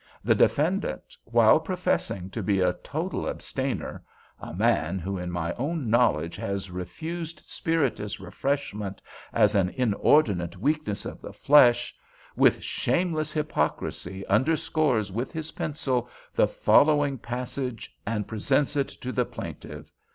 The defendant, while professing to be a total abstainer—a man who, in my own knowledge, has refused spirituous refreshment as an inordinate weakness of the flesh, with shameless hypocrisy underscores with his pencil the following passage and presents it to the plaintiff.